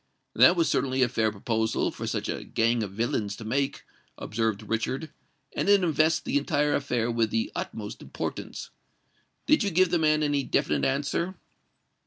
"That was certainly a fair proposal for such a gang of villains to make," observed Richard; "and it invests the entire affair with the utmost importance. Did you give the man any definite answer?"